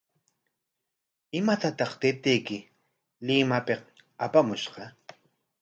¿Imatataq taytayki Limapik apamushqa?